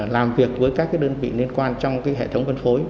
làm việc với các đơn vị liên quan trong hệ thống phân phối